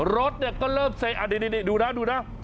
รถเนี่ยก็เริ่มเซอ่าดูนะ